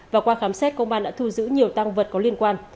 và qua khám xét công an đã thu giữ nhiều tăng vật có liên quan